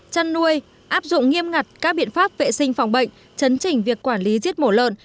chăn nuôi áp dụng nghiêm ngặt các biện pháp vệ sinh phòng bệnh chấn trình việc quản lý giết mổ lợn